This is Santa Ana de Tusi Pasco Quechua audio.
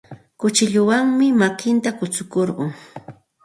Kuchilluwanmi makinta tukshikurqun.